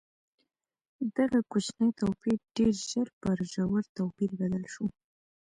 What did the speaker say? دغه کوچنی توپیر ډېر ژر پر ژور توپیر بدل شو.